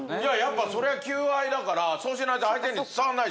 それは求愛だからそうしないと相手に伝わらないでしょたぶん。